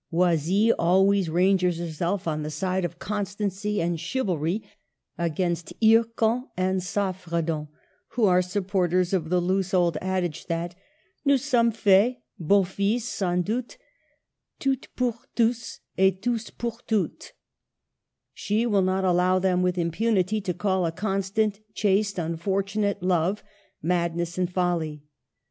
Oisille always ranges herself on the side of constancy and chivalry against Hircan and Saffredant, who are supporters of the loose old adage that —" Nous sommes faits, beaux fils, sans doute Toutes pour tous, et tous pour toutes." She will not allow them with impunity to call a constant, chaste, unfortunate love, madness and folly.